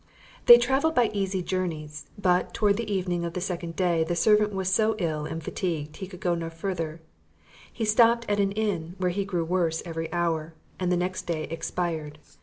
They travelled by easy journeys; but, towards the evening of the second day, the servant was so ill and fatigued he could go no further; he stopped at an inn where he grew worse every hour, and the next day expired.